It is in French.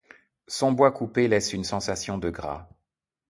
Son bois coupé laisse une sensation de gras.